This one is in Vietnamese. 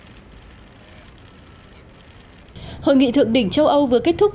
hội nghị thượng đỉnh châu âu vừa kết thúc